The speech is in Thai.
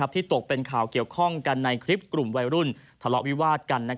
ตกเป็นข่าวเกี่ยวข้องกันในคลิปกลุ่มวัยรุ่นทะเลาะวิวาดกัน